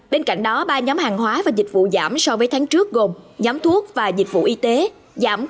bên cạnh đó ba nhóm hàng hóa và dịch vụ giảm so với tháng trước gồm nhóm thuốc và dịch vụ y tế giảm một